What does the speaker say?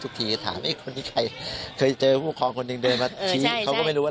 ทุกทีก็ถามอีกคนที่ใกล่เคยเจอผู้พูดครองกังหนึ่งเดินมาชี้เขาก็ไม่รู้ว่า